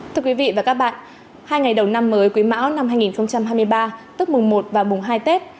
thưa quý vị và các bạn hai ngày đầu năm mới quý mão năm hai nghìn hai mươi ba tức mùng một và mùng hai tết